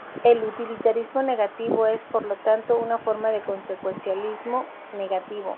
El utilitarismo negativo es, por lo tanto, una forma de consecuencialismo negativo.